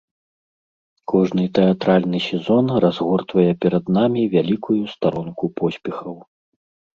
Кожны тэатральны сезон разгортвае перад намі вялікую старонку поспехаў.